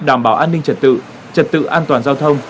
đảm bảo an ninh trật tự trật tự an toàn giao thông